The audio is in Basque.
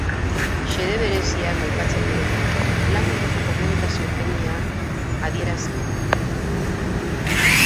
Xede bereziak aipatzen direnean, lan-munduko komunikazio-premiak adierazi nahi dira batipat.